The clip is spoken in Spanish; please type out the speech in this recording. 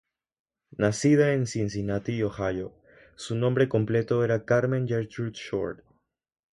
Nacida en Cincinnati, Ohio, su nombre completo era Carmen Gertrude Short.